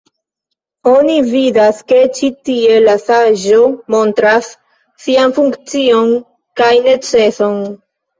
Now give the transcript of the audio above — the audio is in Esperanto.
Oni vidas ke ĉi tie la saĝo montras sian funkcion kaj neceson.